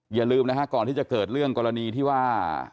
อย่าลืมนะฮะก่อนที่จะเกิดเรื่องกรณีที่ว่า